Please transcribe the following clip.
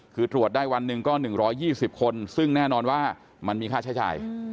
คือตรวจได้วันหนึ่งก็หนึ่งร้อยยี่สิบคนซึ่งแน่นอนว่ามันมีค่าใช้จ่าย